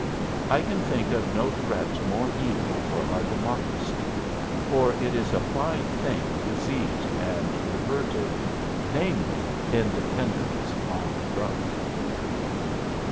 I can think of no threat more evil for our democracy, for it is a fine thing diseased and perverted namely, independence gone drunk.